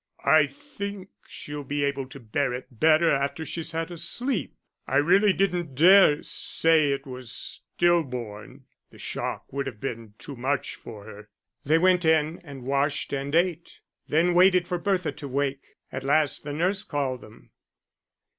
"I think she'll be able to bear it better after she's had a sleep. I really didn't dare say it was still born. The shock would have been too much for her." They went in and washed and ate, then waited for Bertha to wake. At last the nurse called them.